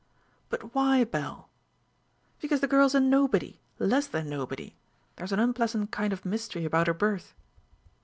"But why, Belle?" "Because the girl is a nobody less than nobody. There is an unpleasant kind of mystery about her birth."